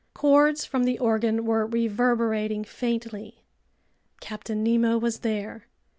Chords from the organ were reverberating faintly. Captain Nemo was there.